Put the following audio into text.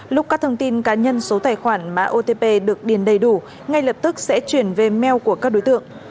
lúc các thông tin cá nhân số tài khoản mã otp được điền đầy đủ ngay lập tức sẽ chuyển về mail của các đối tượng